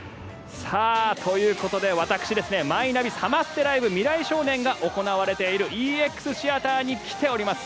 ということで私「マイナビサマステライブ未来少年」が行われているＥＸＴＨＥＡＴＥＲに来ています。